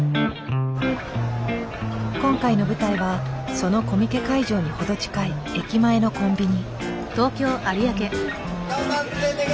今回の舞台はそのコミケ会場に程近い駅前のコンビニ。